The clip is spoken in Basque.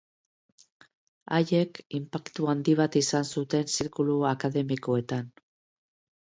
Haiek inpaktu handi bat izan zuten zirkulu akademikoetan.